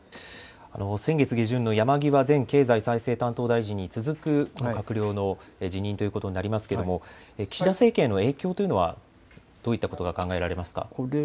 先月下旬の山際前経済再生担当大臣に続く辞任ということになりますけれども岸田政権への影響というのはどういったことが考えられますか。